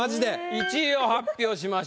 １位を発表しましょう。